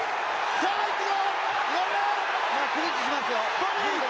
さあ行くぞ！